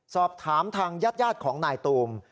สอบถามทางญาติของนายตูม